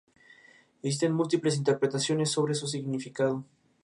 Existen múltiples interpretaciones sobre su significado.